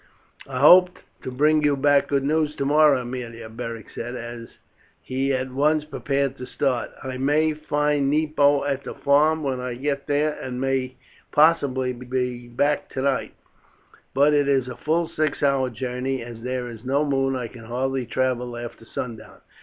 "I hope to bring you back good news tomorrow, Aemilia," Beric said as he at once prepared to start. "I may find Nepo at the farm when I get there and may possibly be back tonight, but it is full six hours' journey, and as there is no moon I can hardly travel after sundown."